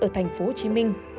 ở thành phố hồ chí minh